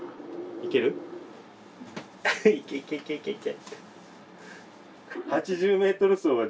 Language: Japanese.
いけいけいけいけ！